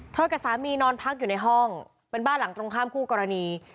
กับสามีนอนพักอยู่ในห้องเป็นบ้านหลังตรงข้ามคู่กรณี